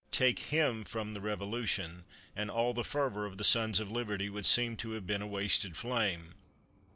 Take him from the Revolution, and all the fervor of the Sons of Liberty would seem to have been a wasted flame.